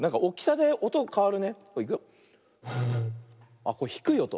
ああひくいおと。